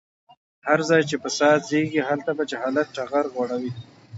هر ځای چې فساد زيږي هلته به جهالت ټغر غوړولی وي.